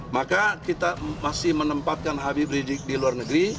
maka kita masih menempatkan habib rizik di luar negeri